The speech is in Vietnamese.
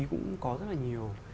cũng có rất là nhiều